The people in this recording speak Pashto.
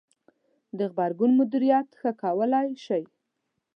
-د غبرګون مدیریت مو ښه کولای ش ئ